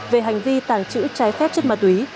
về hành vi tàng trữ trái phép chất ma túy